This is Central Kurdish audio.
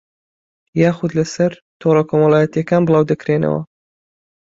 یاخوود لەسەر تۆڕە کۆمەڵایەتییەکان بڵاودەکرێنەوە